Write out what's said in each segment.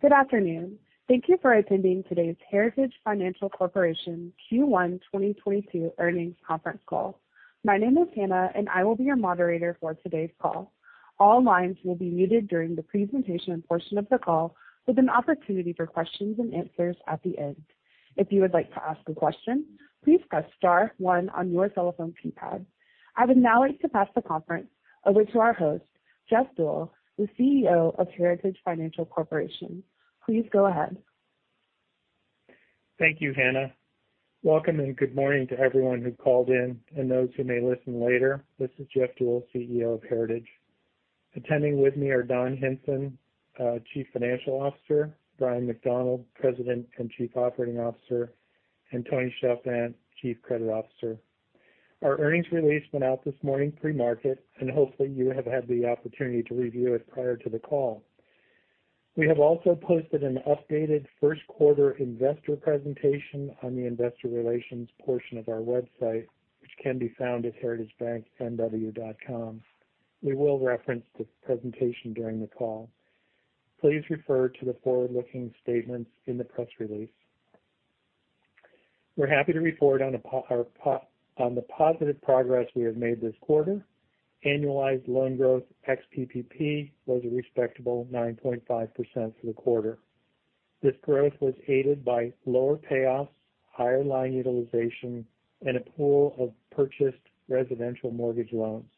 Good afternoon. Thank you for attending today's Heritage Financial Corporation Q1 2022 earnings conference call. My name is Hannah, and I will be your moderator for today's call. All lines will be muted during the presentation portion of the call, with an opportunity for questions and answers at the end. If you would like to ask a question, please press star one on your telephone keypad. I would now like to pass the conference over to our host, Jeff Deuel, the CEO of Heritage Financial Corporation. Please go ahead. Thank you, Hannah. Welcome and good morning to everyone who called in and those who may listen later. This is Jeff Deuel, CEO of Heritage. Attending with me are Don Hinson, Chief Financial Officer, Bryan McDonald, President and Chief Operating Officer, and Tony Chalfant, Chief Credit Officer. Our earnings release went out this morning pre-market, and hopefully you have had the opportunity to review it prior to the call. We have also posted an updated first investor presentation on the investor relations portion of our website, which can be found at heritagebanknw.com. We will reference this presentation during the call. Please refer to the forward-looking statements in the press release. We're happy to report on the positive progress we have made this quarter. Annualized loan growth ex-PPP was a respectable 9.5% for the quarter. This growth was aided by lower payoffs, higher line utilization, and a pool of purchased residential mortgage loans.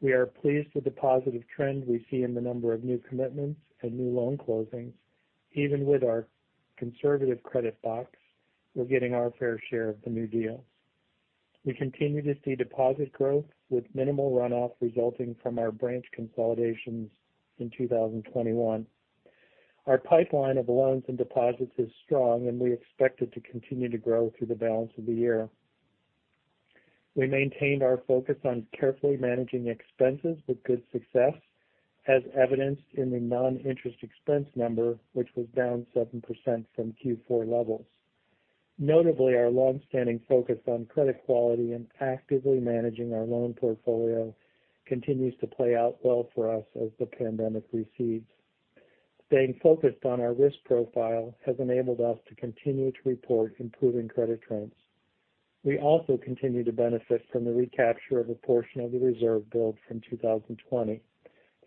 We are pleased with the positive trend we see in the number of new commitments and new loan closings. Even with our conservative credit box, we're getting our fair share of the new deals. We continue to see deposit growth with minimal runoff resulting from our branch consolidations in 2021. Our pipeline of loans and deposits is strong, and we expect it to continue to grow through the balance of the. We maintained our foc on carefully managing expenses with good success, as evidenced in the non-interest expense number, which was down 7% from Q4 levels. Notably, our long-standing focus on credit quality and actively managing our loan portfolio continues to play out well for us as the pandemic recedes. Staying focused on our risk profile has enabled us to continue to report improving credit trends. We also continue to benefit from the recapture of a portion of the reserve build from 2020.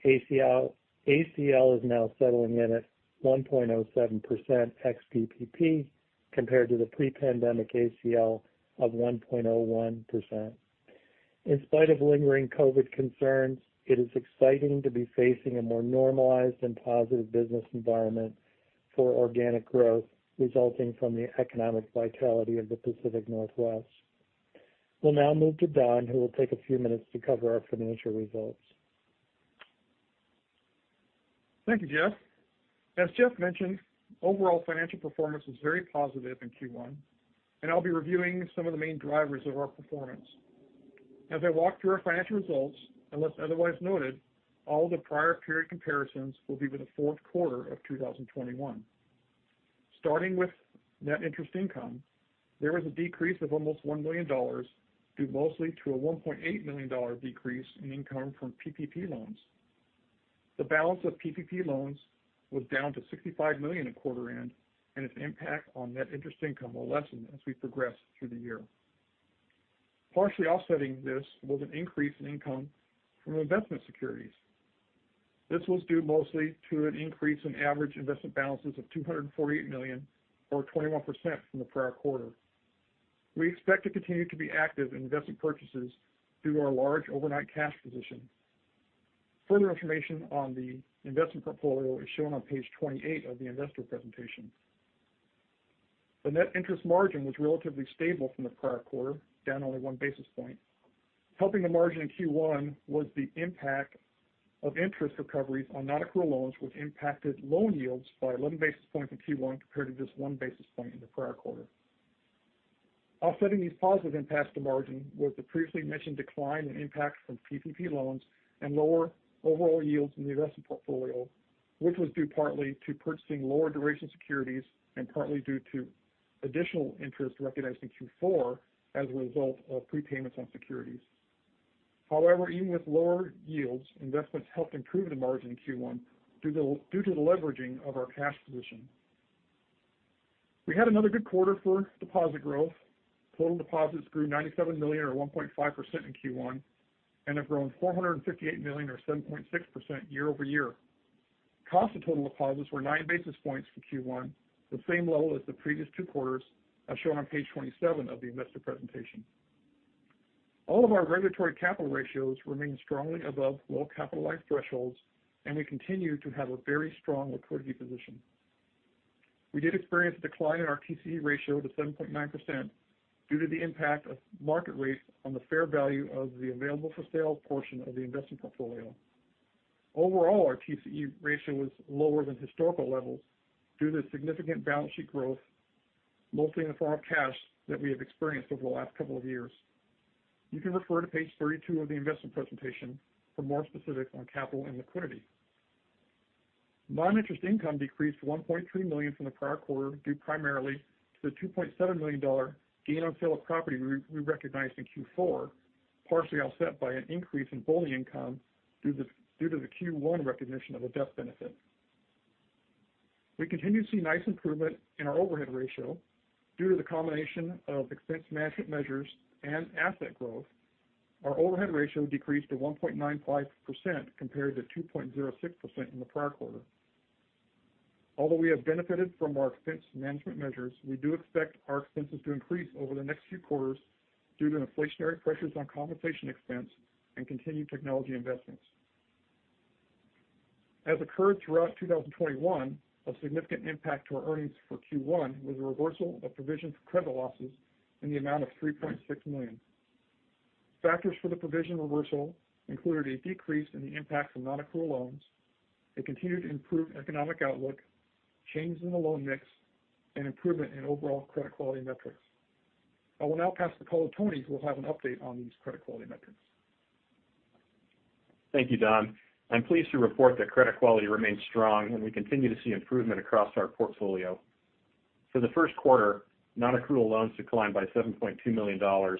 ACL is now settling in at 1.07% ex-PPP compared to the pre-pandemic ACL of 1.01%. In spite of lingering COVID concerns, it is exciting to be facing a more normalized and positive business environment for organic growth resulting from the economic vitality of the Pacific Northwest. We'll now move to Don, who will take a few minutes to cover our financial results. Thank you, Jeff. As Jeff mentioned, overall financial performance was very positive in Q1, and I'll be reviewing some of the main drivers of our performance. As I walk through our financial results, unless otherwise noted, all the prior period comparisons will be with the Q4 of 2021. Starting with net interest income, there was a decrease of almost $1 million due mostly to a $1.8 million decrease in income from PPP loans. The balance of PPP loans was down to $65 million at quarter end, and its impact on net interest income will lessen as we progress through the year. Partially offsetting this was an increase in income from investment securities. This was due mostly to an increase in average investment balances of $248 million or 21% from the prior quarter. We expect to continue to be active in investment purchases through our large overnight cash position. Further information on the investment portfolio is shown on page 28 of the investor presentation. The net interest margin was relatively stable from the prior quarter, down only 1 basis point. Helping the margin in Q1 was the impact of interest recoveries on non-accrual loans which impacted loan yields by 11 basis points in Q1 compared to just 1 basis point in the prior quarter. Offsetting these positive impacts to margin was the previously mentioned decline in impact from PPP loans and lower overall yields in the investment portfolio, which was due partly to purchasing lower duration securities and partly due to additional interest recognized in Q4 as a result of prepayments on securities. However, even with lower yields, investments helped improve the margin in Q1 due to the leveraging of our cash position. We had another good quarter for deposit growth. Total deposits grew $97 million or 1.5% in Q1 and have grown $458 million or 7.6% year-over-year. Cost of total deposits were 9 basis points for Q1, the same level as the previous two quarters, as shown on page 27 of the investor presentation. All of our regulatory capital ratios remain strongly above well-capitalized thresholds, and we continue to have a very strong liquidity position. We did experience a decline in our TCE ratio to 7.9% due to the impact of market rates on the fair value of the available-for-sale portion of the investment portfolio. Overall, our TCE ratio was lower than historical levels due to significant balance sheet growth, mostly in the form of cash, that we have experienced over the last couple of years. You can refer to page 32 of the investment presentation for more specifics on capital and liquidity. Non-interest income decreased $1.3 million from the prior quarter, due primarily to the $2.7 million gain on sale of property we recognized in Q4. Partially offset by an increase in volume income due to the Q1 recognition of a death benefit. We continue to see nice improvement in our overhead ratio due to the combination of expense management measures and asset growth. Our overhead ratio decreased to 1.95% compared to 2.06% in the prior quarter. Although we have benefited from our expense management measures, we do expect our expenses to increase over the next few quarters due to inflationary pressures on compensation expense and continued technology investments. As occurred throughout 2021, a significant impact to our earnings for Q1 was a reversal of provision for credit losses in the amount of $3.6 million. Factors for the provision reversal included a decrease in the impact of nonaccrual loans, a continued improved economic outlook, changes in the loan mix, and improvement in overall credit quality metrics. I will now pass the call to Tony, who will have an update on these credit quality metrics. Thank you, Don. I'm pleased to report that credit quality remains strong, and we continue to see improvement across our portfolio. For the Q1, nonaccrual loans declined by $7.2 million or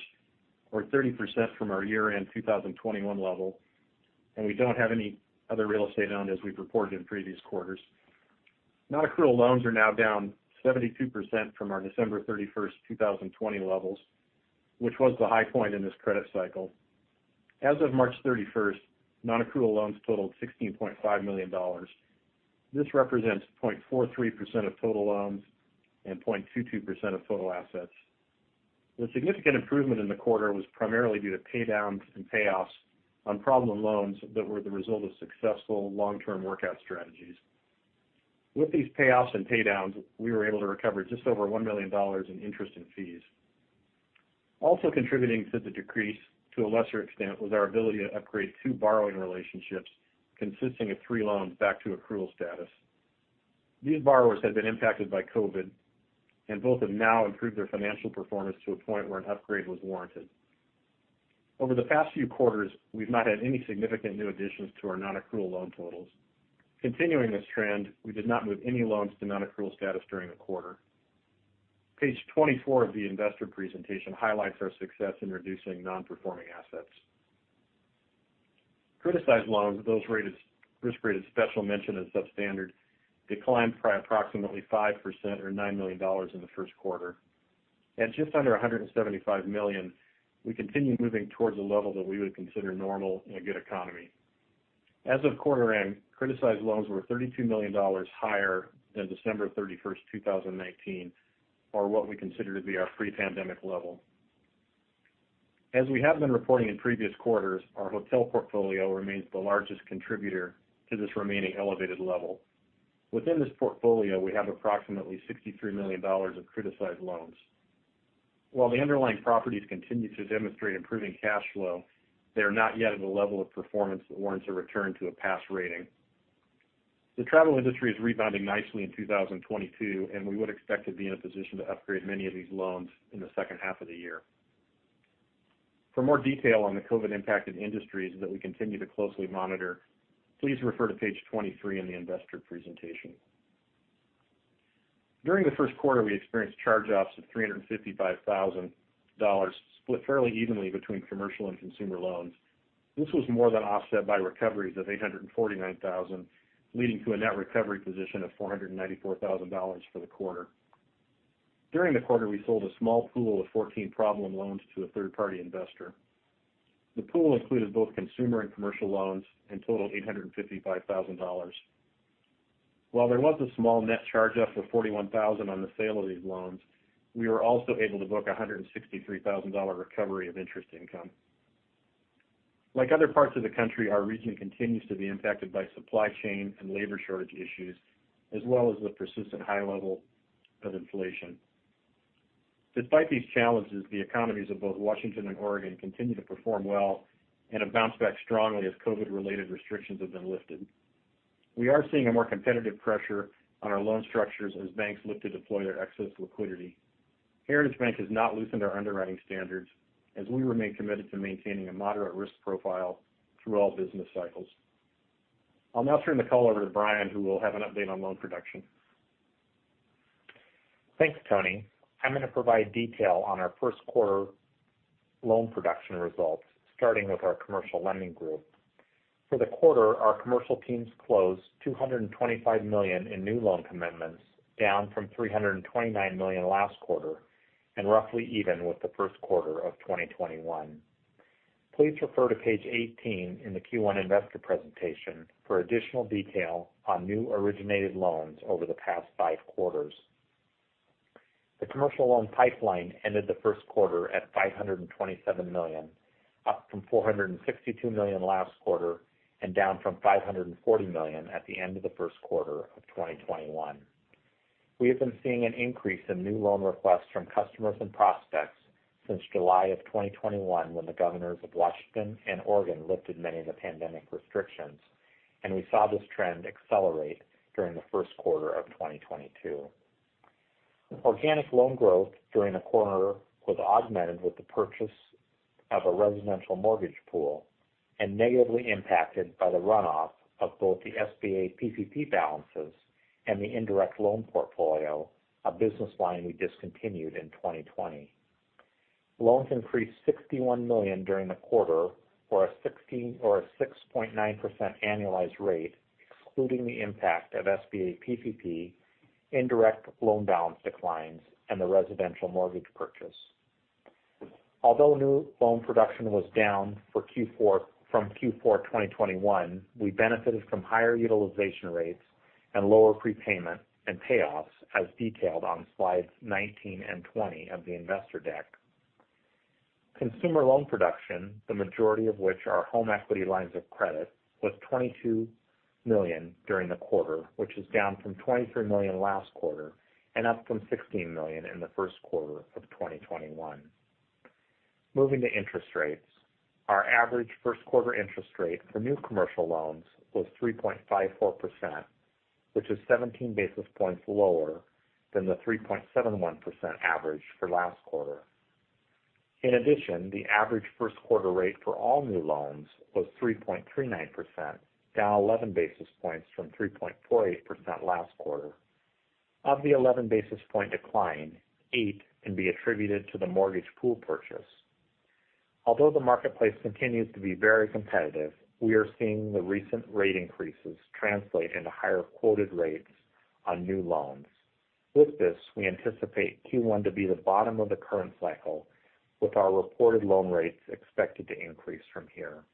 30% from our year-end 2021 level, and we don't have any other real estate owned as we've reported in previous quarters. Nonaccrual loans are now down 72% from our December 31, 2020, levels, which was the high point in this credit cycle. As of March 31, nonaccrual loans totaled $16.5 million. This represents 0.43% of total loans and 0.22% of total assets. The significant improvement in the quarter was primarily due to pay downs and payoffs on problem loans that were the result of successful long-term workout strategies. With these payoffs and pay downs, we were able to recover just over $1 million in interest and fees. Also contributing to the decrease to a lesser extent was our ability to upgrade 2 borrowing relationships consisting of 3 loans back to accrual status. These borrowers had been impacted by COVID, and both have now improved their financial performance to a point where an upgrade was warranted. Over the past few quarters, we've not had any significant new additions to our nonaccrual loan totals. Continuing this trend, we did not move any loans to nonaccrual status during the quarter. Page 24 of the investor presentation highlights our success in reducing non-performing assets. Criticized loans, those risk rated special mention or substandard, declined by approximately 5% or $9 million in the Q1. At just under $175 million, we continue moving towards a level that we would consider normal in a good economy. As of quarter end, criticized loans were $32 million higher than December 31, 2019, or what we consider to be our pre-pandemic level. As we have been reporting in previous quarters, our hotel portfolio remains the largest contributor to this remaining elevated level. Within this portfolio, we have approximately $63 million of criticized loans. While the underlying properties continue to demonstrate improving cash flow, they are not yet at a level of performance that warrants a return to a past rating. The travel industry is rebounding nicely in 2022, and we would expect to be in a position to upgrade many of these loans in the second half of the year. For more detail on the COVID impacted industries that we continue to closely monitor, please refer to page 23 in the investor presentation. During the Q1, we experienced charge-offs of $355 thousand split fairly evenly between commercial and consumer loans. This was more than offset by recoveries of $849 thousand, leading to a net recovery position of $494 thousand for the quarter. During the quarter, we sold a small pool of 14 problem loans to a third-party investor. The pool included both consumer and commercial loans and totaled $855 thousand. While there was a small net charge-off of $41 thousand on the sale of these loans, we were also able to book a $163 thousand recovery of interest income. Like other parts of the country, our region continues to be impacted by supply chain and labor shortage issues, as well as the persistent high level of inflation. Despite these challenges, the economies of both Washington and Oregon continue to perform well and have bounced back strongly as COVID-related restrictions have been lifted. We are seeing a more competitive pressure on our loan structures as banks look to deploy their excess liquidity. Heritage Bank has not loosened our underwriting standards as we remain committed to maintaining a moderate risk profile through all business cycles. I'll now turn the call over to Bryan, who will have an update on loan production. Thanks, Tony. I'm going to provide detail on our Q1 loan production results, starting with our commercial lending group. For the quarter, our commercial teams closed $225 million in new loan commitments, down from $329 million last quarter and roughly even with the Q1 of 2021. Please refer to page 18 in the Q1 investor presentation for additional detail on new originated loans over the past Q5. The commercial loan pipeline ended the Q1 at $527 million, up from $462 million last quarter and down from $540 million at the end of the Q1 of 2021. We have been seeing an increase in new loan requests from customers and prospects since July of 2021 when the governors of Washington and Oregon lifted many of the pandemic restrictions, and we saw this trend accelerate during the Q1 of 2022. Organic loan growth during the quarter was augmented with the purchase of a residential mortgage pool and negatively impacted by the runoff of both the SBA PPP balances and the indirect loan portfolio, a business line we discontinued in 2020. Loans increased $61 million during the quarter or a 6.9% annualized rate, excluding the impact of SBA PPP, indirect loan balance declines, and the residential mortgage purchase. Although new loan production was down from Q4 2021, we benefited from higher utilization rates and lower prepayment and payoffs as detailed on slides 19 and 20 of the investor deck. Consumer loan production, the majority of which are home equity lines of credit, was $22 million during the quarter, which is down from $23 million last quarter and up from $16 million in the Q1 of 2021. Moving to interest rates. Our average Q1 interest rate for new commercial loans was 3.54%, which is 17 basis points lower than the 3.71% average for last quarter. In addition, the average Q1 rate for all new loans was 3.39%, down 11 basis points from 3.48% last quarter. Of the 11-basis point decline, 8 can be attributed to the mortgage pool purchase. Although the marketplace continues to be very competitive, we are seeing the recent rate increases translate into higher quoted rates on new loans. With this, we anticipate Q1 to be the bottom of the current cycle, with our reported loan rates expected to increase from here.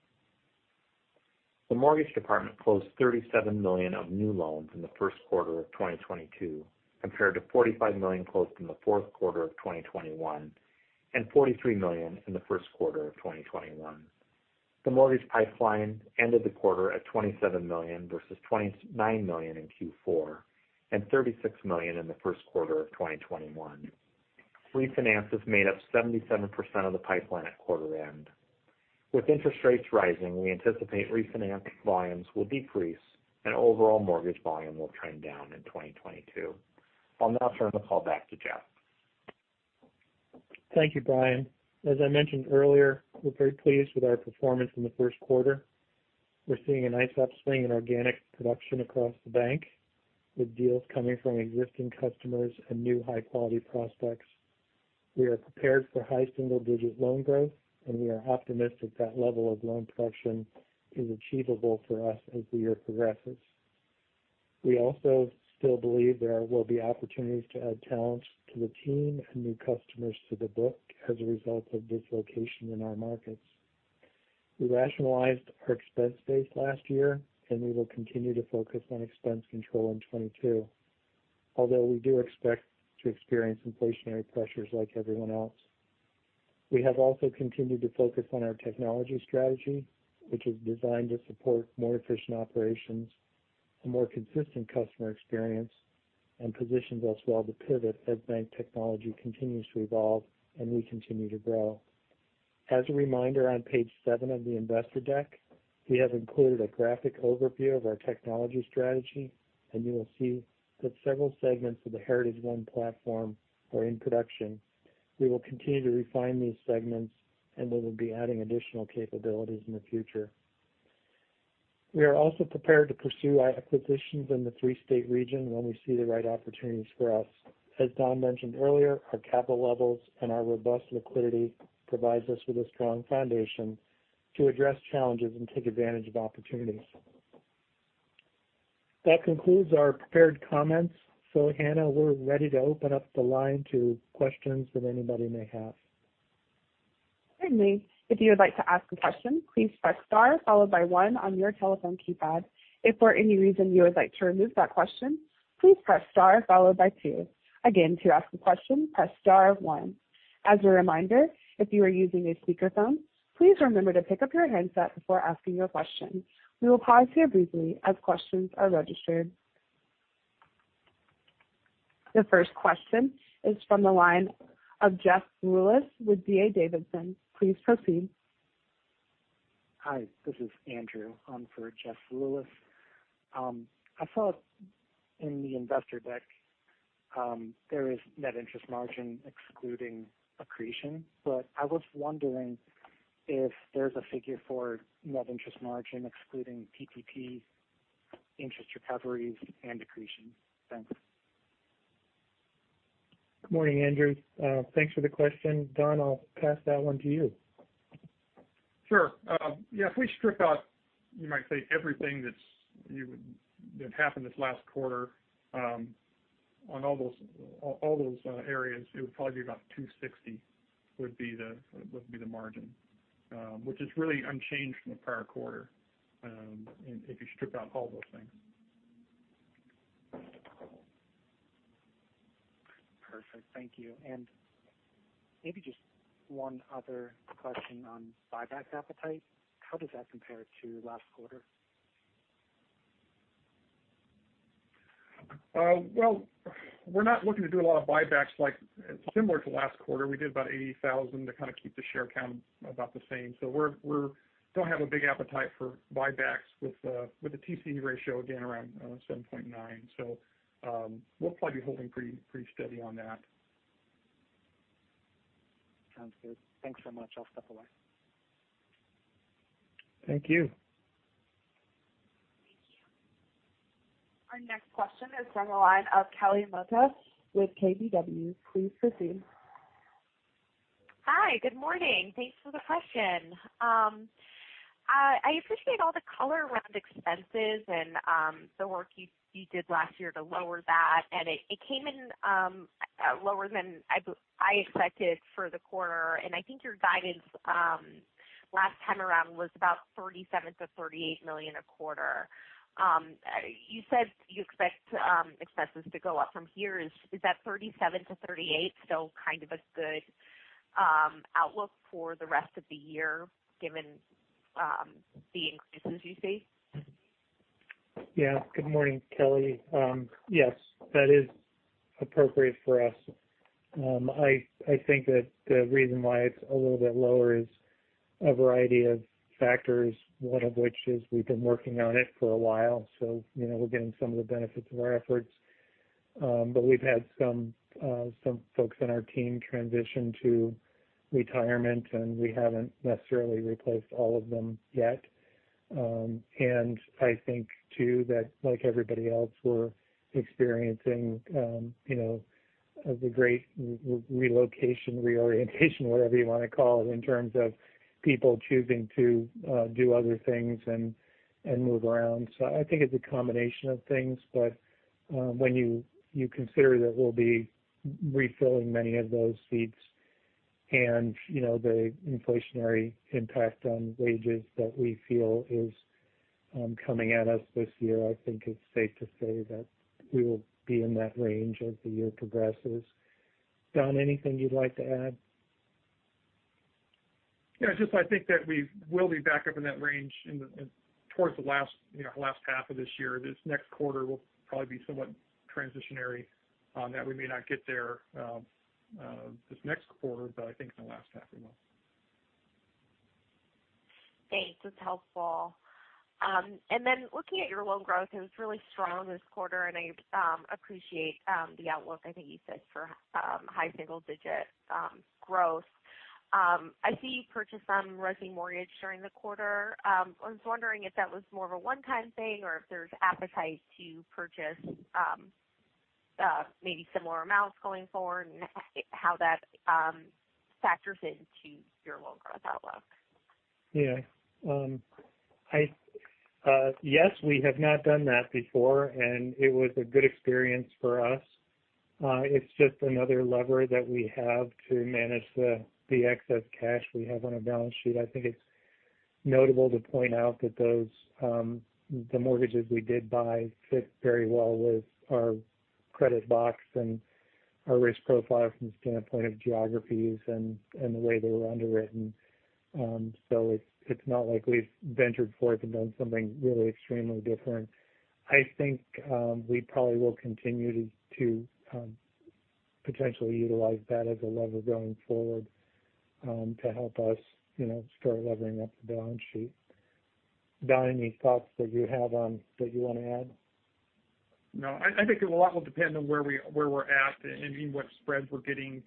The mortgage department closed $37 million of new loans in the Q1 of 2022, compared to $45 million closed in the Q4 of 2021 and $43 million in the Q1 of 2021. The mortgage pipeline ended the quarter at $27 million versus $29 million in Q4 and $36 million in the Q1 of 2021. Refinances made up 77% of the pipeline at quarter end. With interest rates rising, we anticipate refinance volumes will decrease, and overall mortgage volume will trend down in 2022. I'll now turn the call back to Jeff. Thank you, Bryan. As I mentioned earlier, we're very pleased with our performance in the Q1. We're seeing a nice upswing in organic production across the bank, with deals coming from existing customers and new high-quality prospects. We are prepared for high single-digit loan growth, and we are optimistic that level of loan production is achievable for us as the year progresses. We also still believe there will be opportunities to add talent to the team and new customers to the book as a result of dislocation in our markets. We rationalized our expense base last year, and we will continue to focus on expense control in 2022. Although we do expect to experience inflationary pressures like everyone else. We have also continued to focus on our technology strategy, which is designed to support more efficient operations, a more consistent customer experience, and positions us well to pivot as bank technology continues to evolve and we continue to grow. As a reminder, on page seven of the investor deck, we have included a graphic overview of our technology strategy, and you will see that several segments of the Heritage 360 platform are in production. We will continue to refine these segments, and we will be adding additional capabilities in the future. We are also prepared to pursue our acquisitions in the three-state region when we see the right opportunities for us. As Don mentioned earlier, our capital levels and our robust liquidity provides us with a strong foundation to address challenges and take advantage of opportunities. That concludes our prepared comments. Hannah, we're ready to open up the line to questions that anybody may have. Certainly. If you would like to ask a question, please press star followed by one on your telephone keypad. If for any reason you would like to remove that question, please press star followed by two. Again, to ask a question, press star one. As a reminder, if you are using a speakerphone, please remember to pick up your handset before asking your question. We will pause here briefly as questions are registered. The first question is from the line of Jeff Rulis with D.A. Davidson. Please proceed. Hi, this is Andrew on for Jeff Rulis. I saw in the investor deck, there is net interest margin excluding accretion. I was wondering if there's a figure for net interest margin excluding PPP interest recoveries and accretion. Thanks. Good morning, Andrew. Thanks for the question. Don, I'll pass that one to you. Sure. Yeah, if we strip out everything that happened this last quarter on all those areas, it would probably be about 2.60%, the margin, which is really unchanged from the prior quarter, if you strip out all those things. Perfect. Thank you. Maybe just one other question on buyback appetite. How does that compare to last quarter? Well, we're not looking to do a lot of buybacks like similar to last quarter. We did about 80,000 to kind of keep the share count about the same. We don't have a big appetite for buybacks with the TCE ratio again around 7.9. We'll probably be holding pretty steady on that. Sounds good. Thanks so much. I'll step away. Thank you. Thank you. Our next question is from the line of Kelly Motta with KBW. Please proceed. Hi, good morning. Thanks for the question. I appreciate all the color around expenses and the work you did last year to lower that. It came in lower than I expected for the quarter. I think your guidance last time around was about $37 million-$38 million a quarter. You said you expect expenses to go up from here. Is that $37 million-$38 million still kind of a good outlook for the rest of the year given the increases you see? Yeah. Good morning, Kelly. Yes, that is appropriate for us. I think that the reason why it's a little bit lower is a variety of factors, one of which is we've been working on it for a while, so, we're getting some of the benefits of our efforts. But we've had some folks on our team transition to retirement, and we haven't necessarily replaced all of them yet. I think too that like everybody else, we're experiencing, the great relocation, reorientation, whatever you wanna call it, in terms of people choosing to do other things and move around. I think it's a combination of things, but when you consider that we'll be refilling many of those seats and, the inflationary impact on wages that we feel is coming at us this year, I think it's safe to say that we will be in that range as the year progresses. Don, anything you'd like to add? Yeah, just I think that we will be back up in that range in towards the last, half of this year. This next quarter will probably be somewhat transitional, that we may not get there this next quarter, but I think in the last half we will. Thanks. That's helpful. Looking at your loan growth, it was really strong this quarter, and I appreciate the outlook I think you said for high single-digit growth. I see you purchased some resi mortgage during the quarter. I was wondering if that was more of a one-time thing or if there's appetite to purchase maybe similar amounts going forward and how that factors into your loan growth outlook. Yeah. Yes, we have not done that before, and it was a good experience for us. It's just another lever that we have to manage the excess cash we have on our balance sheet. I think it's notable to point out that those, the mortgages we did buy fit very well with our credit box and our risk profile from the standpoint of geographies and the way they were underwritten. It's not like we've ventured forth and done something really extremely different. I think we probably will continue to potentially utilize that as a lever going forward to help us, start levering up the balance sheet. Don, any thoughts that you have that you wanna add? No. I think a lot will depend on where we're at and, I mean, what spreads we're getting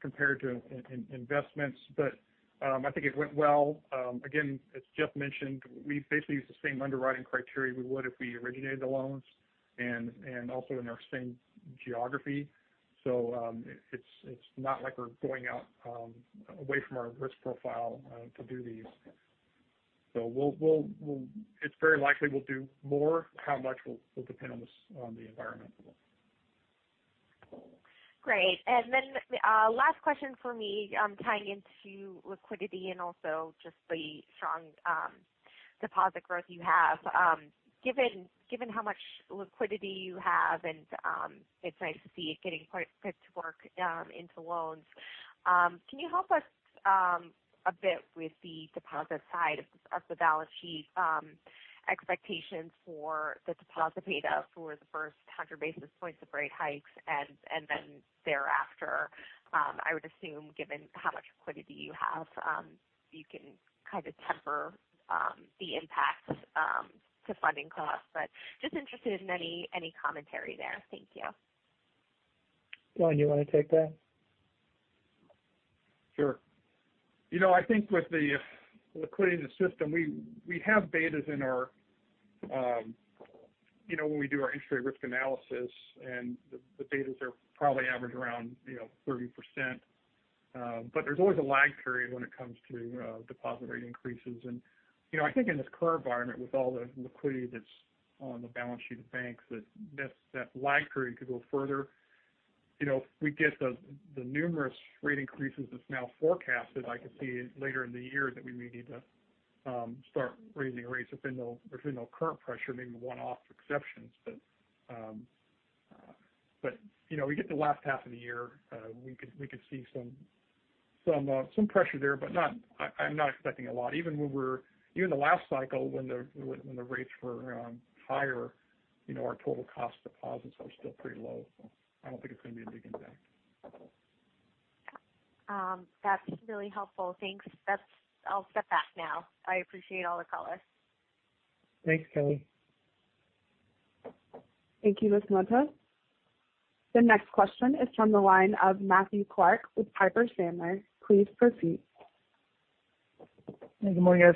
compared to investments. I think it went well. Again, as Jeff mentioned, we basically used the same underwriting criteria we would if we originated the loans and also in our same geography. It's not like we're going out away from our risk profile to do these. It's very likely we'll do more. How much will depend on the environment. Great. Then the last question for me, tying into liquidity and also just the strong deposit growth you have. Given how much liquidity you have, and it's nice to see it getting quite put to work into loans, can you help us a bit with the deposit side of the balance sheet, expectations for the deposit beta for the first 100 basis points of rate hikes and then thereafter? I would assume, given how much liquidity you have, you can kind of temper the impact to funding costs. Just interested in any commentary there. Thank you. Don, you wanna take that? Sure. You know, I think with the liquidity in the system, we have betas in our. You know, when we do our interest rate risk analysis, and the betas are probably average around, 30%. But there's always a lag period when it comes to deposit rate increases. You know, I think in this current environment with all the liquidity that's on the balance sheet of banks, that lag period could go further. You know, if we get the numerous rate increases that's now forecasted, I could see later in the year that we may need to start raising rates if then there'll customer pressure, maybe one-off exceptions. You know, we get to the last half of the year, we could see some pressure there, but not. I'm not expecting a lot. Even the last cycle when the rates were higher, our total cost deposits are still pretty low. So, I don't think it's gonna be a big impact. That's really helpful. Thanks. That's. I'll step back now. I appreciate all the color. Thanks, Kelly. Thank you, Ms. Motta. The next question is from the line of Matthew Clark with Piper Sandler. Please proceed. Good morning, guys.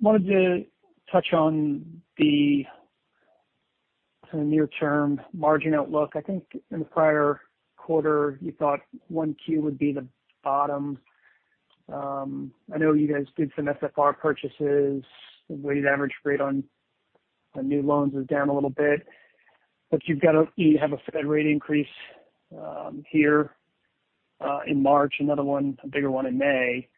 Wanted to touch on the kind of near-term margin outlook. I think in the prior quarter, you thought 1Q would be the bottom. I know you guys did some AFS purchases. The weighted average rate on the new loans is down a little bit, but you have a Fed rate increase here in March, another one, a bigger one in May.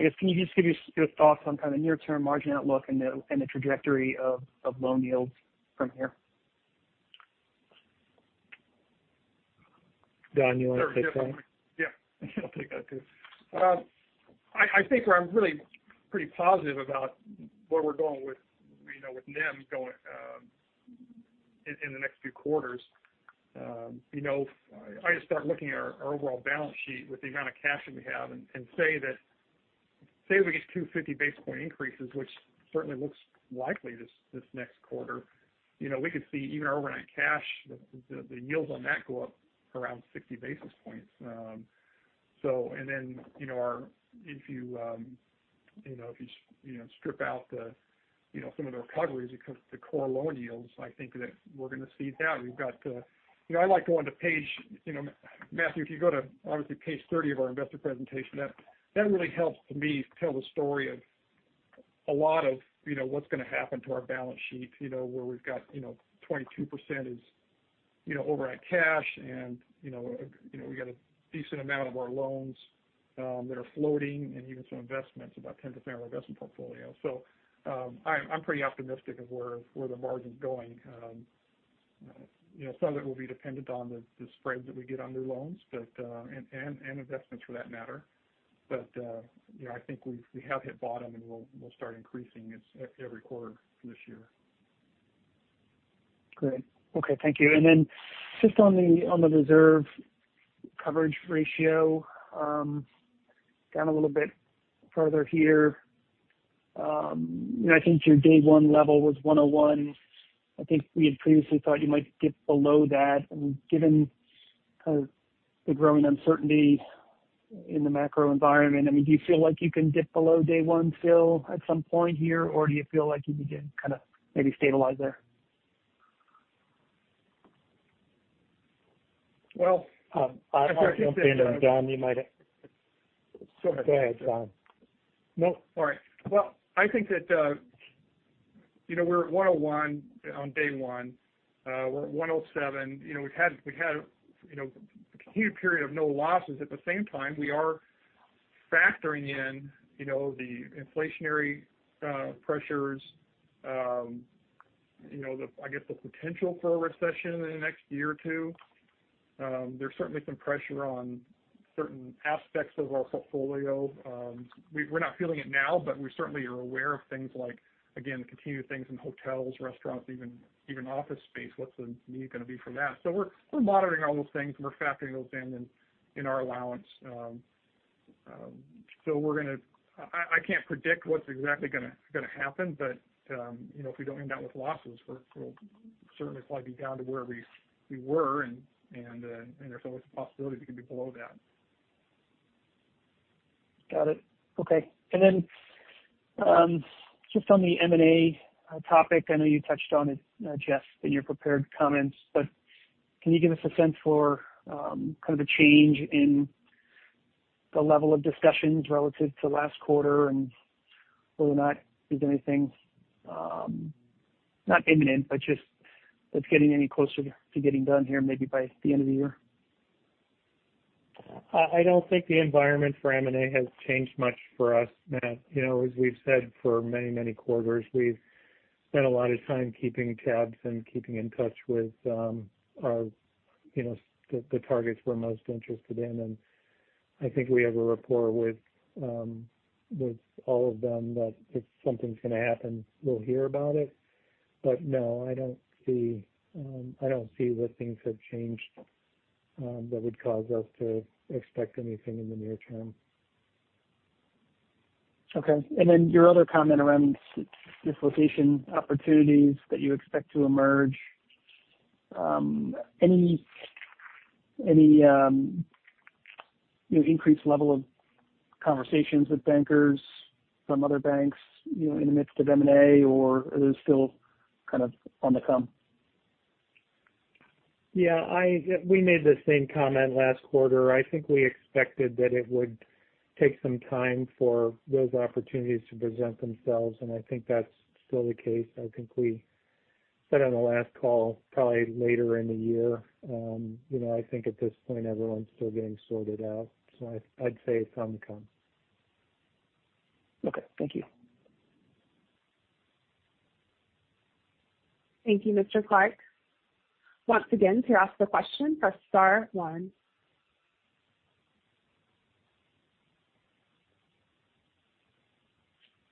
I guess, can you just give us your thoughts on kind of near-term margin outlook and the trajectory of loan yields from here? Don, you wanna take that? Yeah. I'll take that too. I think where I'm really pretty positive about where we're going with, with NIM going, in the next few quarters. You know, if I just start looking at our overall balance sheet with the amount of cash that we have and say if we get 250 basis point increases, which certainly looks likely this next quarter, we could see even our overnight cash, the yields on that go up around 60 basis points. And then, if you strip out some of the recoveries because the core loan yields, I think that we're gonna see that. We've got. You know, I like going to page, Matthew, if you go to, obviously, page 30 of our investor presentation, that really helps me tell the story of a lot of, what's gonna happen to our balance sheet. You know, where we've got, 22% is overnight cash and, we got a decent amount of our loans that are floating and even some investments, about 10% of our investment portfolio. I'm pretty optimistic of where the margin's going. You know, some of it will be dependent on the spread that we get on new loans, but and investments for that matter. You know, I think we have hit bottom, and we'll start increasing it every quarter this year. Great. Okay. Thank you. Just on the reserve coverage ratio, down a little bit further here. You know, I think your day one level was 101. I think we had previously thought you might dip below that. I mean, given kind of the growing uncertainty in the macro environment, I mean, do you feel like you can dip below day one still at some point here? Or do you feel like you can kind of maybe stabilize there? Well, I think that, I'll kick this one in. Don, you might have—Go ahead, Don. No. Sorry. Well, I think that we're at 101% on day one. We're at 107%. You know, we've had a continued period of no losses. At the same time, we are factoring in the inflationary pressures, the potential for a recession in the next year or two. There's certainly some pressure on certain aspects of our portfolio. We're not feeling it now, but we certainly are aware of things like continued things in hotels, restaurants, even office space. What's the need gonna be for that? We're monitoring all those things, and we're factoring those in our allowance. I can't predict what's exactly gonna happen, but if we don't end up with losses, we'll certainly likely be down to where we were and there's always the possibility, we could be below that. Got it. Okay. Just on the M&A topic. I know you touched on it, Jeff, in your prepared comments, but can you give us a sense for, kind of a change in the level of discussions relative to last quarter and whether or not there's anything, not imminent, but just that's getting any closer to getting done here maybe by the end of the year? I don't think the environment for M&A has changed much for us, Matt. You know, as we've said for many, many quarters, we've spent a lot of time keeping tabs and keeping in touch with our, the targets we're most interested in. I think we have a rapport with all of them that if something's gonna happen, we'll hear about it. No, I don't see that things have changed that would cause us to expect anything in the near term. Okay. Then your other comment around dislocation opportunities that you expect to emerge. Any, increased level of conversations with bankers from other banks, in the midst of M&A, or are those still kind of on the come? Yeah. We made the same comment last quarter. I think we expected that it would take some time for those opportunities to present themselves, and I think that's still the case. I think we said on the last call probably later in the year. You know, I think at this point, everyone's still getting sorted out, so I'd say it's on the come. Okay. Thank you. Thank you, Mr. Clark. Once again, to ask a question, press star one.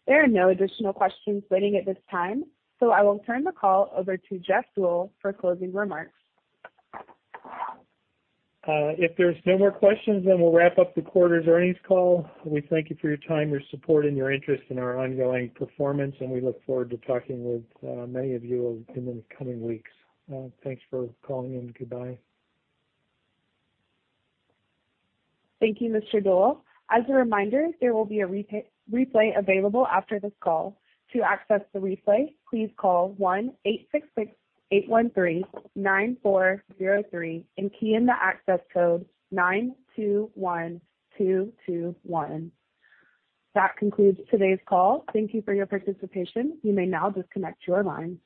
There are no additional questions waiting at this time, so I will turn the call over to Jeff Deuel for closing remarks. If there's no more questions, then we'll wrap up the quarter's earnings call. We thank you for your time, your support, and your interest in our ongoing performance, and we look forward to talking with many of you in the coming weeks. Thanks for calling in. Goodbye. Thank you, Mr. Deuel. As a reminder, there will be a replay available after this call. To access the replay, please call 1-866-813-9403 and key in the access code 921221. That concludes today's call. Thank you for your participation. You may now disconnect your lines.